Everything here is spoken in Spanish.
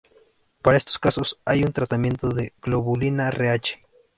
Para estos casos hay un tratamiento con globulina Rh.